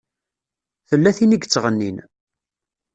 Tella tin i yettɣennin.